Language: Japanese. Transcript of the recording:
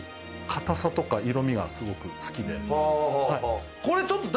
硬さとか色みがすごく好きで。